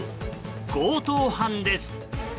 強盗犯です。